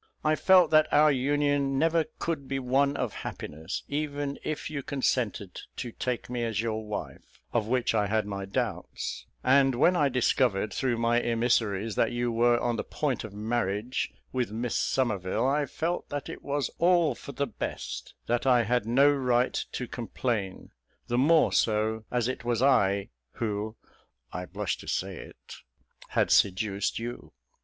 I felt that our union never could be one of happiness, even if you consented to take me as your wife, of which I had my doubts; and when I discovered, through my emissaries, that you were on the point of marriage with Miss Somerville, I felt that it was all for the best; that I had no right to complain; the more so as it was I who (I blush to say it) had seduced you.